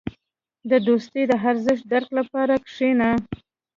• د دوستۍ د ارزښت درک لپاره کښېنه.